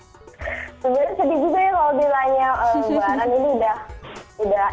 sebenarnya sedikit aja kalau bilangnya lebaran ini udah